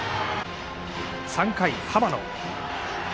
３回、浜野。